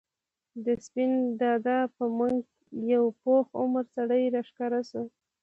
د سپين دادا په منګ یو پوخ عمر سړی راښکاره شو.